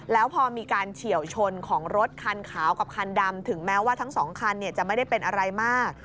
แล้วพอมีการเฉียวชนของรถคันขาวกับคันดำถึงแม้ว่าทั้งสองคันจะไม่ได้เป็นอะไรมาก